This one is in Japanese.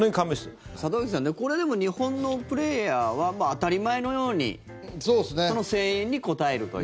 里崎さん、これ、でも日本のプレーヤーは当たり前のようにその声援に応えるという。